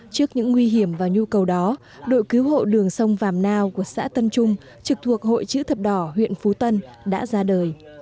trước những nguy hiểm và nhu cầu đó đội cứu hộ đường sông vàm nao của xã tân trung trực thuộc hội chữ thập đỏ huyện phú tân đã ra đời